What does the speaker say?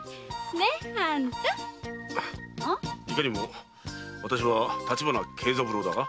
いかにも私は立花慶三郎だが？